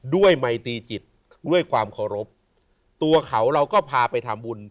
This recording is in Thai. ไมตีจิตด้วยความเคารพตัวเขาเราก็พาไปทำบุญ